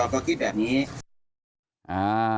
ก็คิดแบบนี้